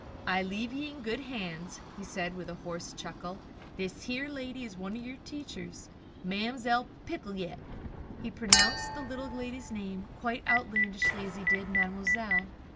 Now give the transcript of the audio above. "I leave ye in good hands," he said, with a hoarse chuckle. "This here lady is one o' yer teachers, Ma'mzell Picolet." He pronounced the little lady's name quite as outlandishly as he did "mademoiselle."